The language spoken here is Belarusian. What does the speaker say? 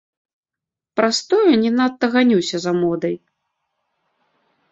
Праз тое не надта ганюся за модай.